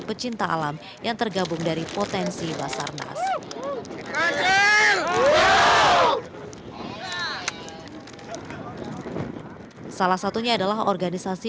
pecinta alam yang tergabung dari potensi basarnas salah satunya adalah organisasi